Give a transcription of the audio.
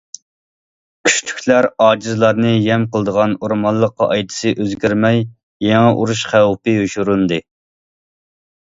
كۈچلۈكلەر ئاجىزلارنى يەم قىلىدىغان ئورمانلىق قائىدىسى ئۆزگەرمەي، يېڭى ئۇرۇش خەۋپى يوشۇرۇندى.